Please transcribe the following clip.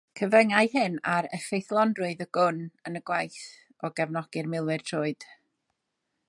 Cyfyngai hyn ar effeithlonrwydd y gwn yn y gwaith o gefnogi'r milwyr troed.